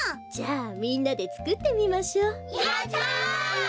じゃあみんなでつくってみましょ。